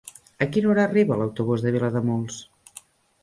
A quina hora arriba l'autobús de Vilademuls?